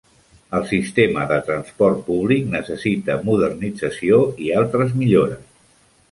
El sistema de transport públic necessita modernització i altres millores.